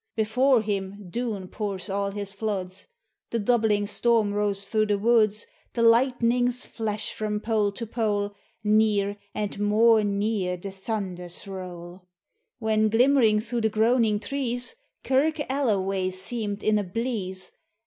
Before him Doon pours all his floods ; The doubling storm roars through the woods ; The lightnings flash from pole to pole ; Near and more near the thunders roll ; When, glimmering through the groaning trees, Kirk Alio way seemed in a bleeze